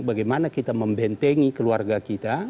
bagaimana kita membentengi keluarga kita